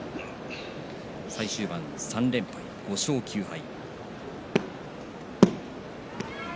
最終盤３連敗、５勝９敗。